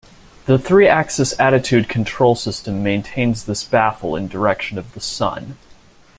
The three-axis attitude control system maintains this baffle in direction of the Sun.